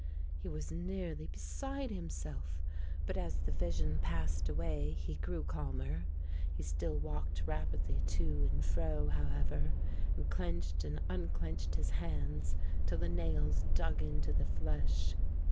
He was nearly beside himself; but as the vision passed away he grew calmer. He still walked rapidly to and fro, however, and clenched and unclenched his hands till the nails dug into the flesh.